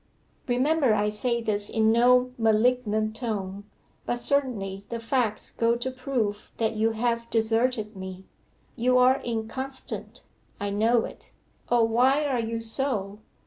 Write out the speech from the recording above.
Remember I say this in no malignant tone, but certainly the facts go to prove that you have deserted me! You are inconstant I know it. O, why are you so?